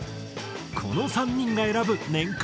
この３人が選ぶ年間